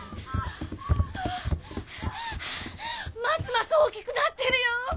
ますます大きくなってるよ。